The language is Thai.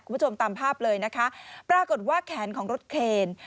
คุณผู้ชมตามภาพเลยนะคะปรากฏว่าแขนของรถเคน